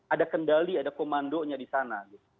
ada kendali ada komandonya di sana